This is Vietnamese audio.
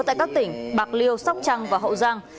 tại các tỉnh bạc liêu sóc trăng và hậu giang